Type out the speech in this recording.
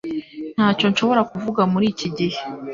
Ntacyo nshobora kuvuga muri iki gihe